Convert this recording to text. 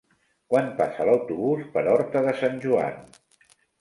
Quan passa l'autobús per Horta de Sant Joan?